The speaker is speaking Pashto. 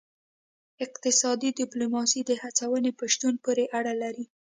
اقتصادي ډیپلوماسي د هڅونې په شتون پورې اړه لري